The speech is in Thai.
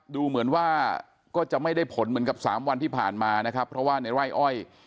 ดูเหมือนว่าก็จะไม่ได้ผลเหมือนกับสามวันที่ผ่านมานะครับเพราะว่าในไร่อ้อย